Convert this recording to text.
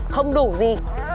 không đủ gì